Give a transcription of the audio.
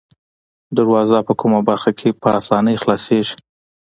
دروازه په کومه برخه کې په آسانۍ خلاصیږي؟